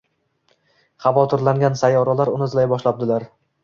Xavotirlangan sayyoralar uni izlay boshlabdilar